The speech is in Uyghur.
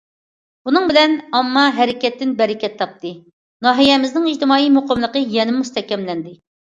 بۇنىڭ بىلەن ئامما ھەرىكەتتىن بەرىكەت تاپتى، ناھىيەمىزنىڭ ئىجتىمائىي مۇقىملىقى يەنىمۇ مۇستەھكەملەندى.